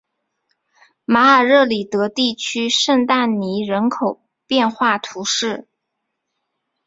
马尔热里德地区圣但尼人口变化图示